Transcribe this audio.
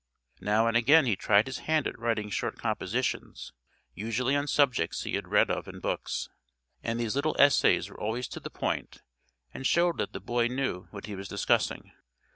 Now and again he tried his hand at writing short compositions, usually on subjects he had read of in books, and these little essays were always to the point and showed that the boy knew what he was discussing.